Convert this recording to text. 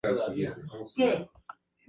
Fue Gran Maestro de la masonería cubana.